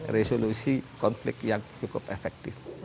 resolusi konflik yang cukup efektif